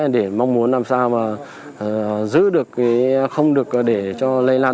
để mong muốn làm sao mà giữ được không được để cho lây lan